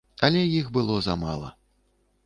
Але іх было замала.